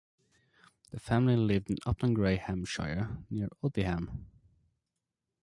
The family lived in Upton Grey, Hampshire near Odiham.